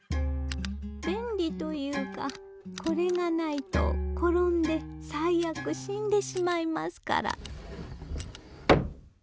便利というかこれがないと転んで最悪死んでしまいますから。